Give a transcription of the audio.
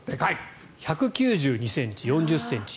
１９２ｃｍ、４０ｃｍ。